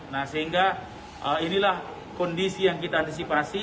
nah sehingga inilah kondisi yang kita antisipasi